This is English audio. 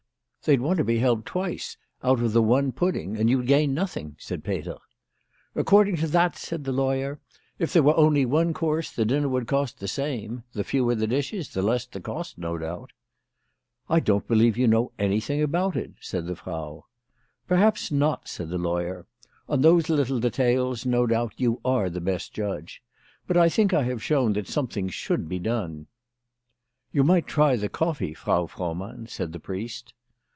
"They'd want to be helped twice out of the one pudding, and you'd gain nothing," said Peter. "According to that," said the lawyer, "if there were only one course the dinner would cost the same. The fewer the dishes, the less the cost, no doubt." " I don't believe you know anything about it," said the Frau. " Perhaps not," said the lawyer. "On those little details no doubt you are the best judge. But I think I have shown that something should be done." " You might try the coffee, Frau Frohmann," said the priest.